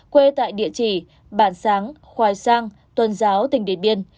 quê tại địa chỉ bản sáng khoài sang tuần giáo tỉnh điện biên